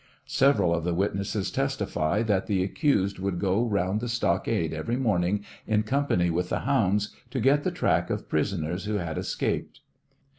Several of the witnesses testify that the accused would go round the stockade every morning in company with the hounds to get the track of prisoners who had escaped.